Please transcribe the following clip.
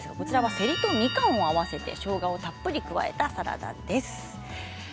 せりとみかんを合わせてしょうがをたっぷり加えたサラダです。